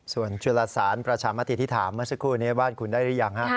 ส่วนจุลสารประชามติที่ถามเมื่อสักครู่นี้บ้านคุณได้หรือยังฮะ